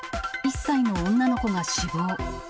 １歳の女の子が死亡。